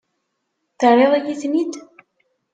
Terriḍ-iyi-ten-id?